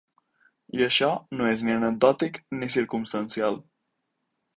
I això no és ni anecdòtic ni circumstancial.